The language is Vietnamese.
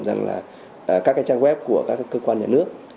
rằng là các cái trang web của các cơ quan nhà nước